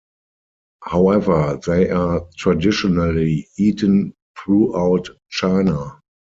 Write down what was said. However, they are traditionally eaten throughout China.